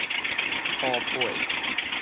塗堛